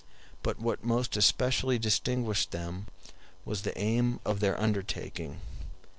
But what most especially distinguished them was the aim of their undertaking.